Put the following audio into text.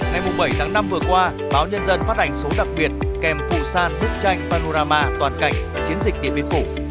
ngày bảy tháng năm vừa qua báo nhân dân phát hành số đặc biệt kèm phụ sàn bức tranh panorama toàn cảnh chiến dịch điện biên phủ